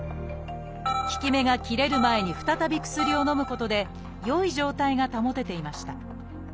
効き目が切れる前に再び薬をのむことで良い状態が保てていました